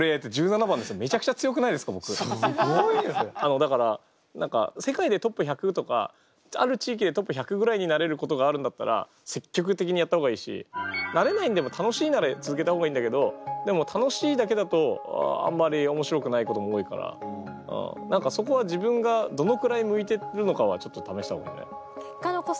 だから何か世界でトップ１００とかある地域でトップ１００ぐらいになれることがあるんだったら積極的にやった方がいいしなれないんでも楽しいなら続けた方がいいんだけどでも楽しいだけだとあんまり面白くないことも多いから何かそこは自分がどのくらい向いてるのかはちょっと試した方がいいんじゃない？